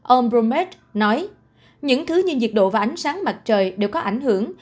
ông bromet nói những thứ như nhiệt độ và ánh sáng mặt trời đều có ảnh hưởng